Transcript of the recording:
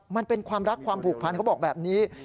มันเป็นความรักความผูกพันเขาบอกแบบนี้